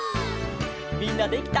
みんなできた？